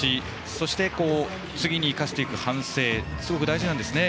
そして、次に生かしていく反省がすごく大事なんですね。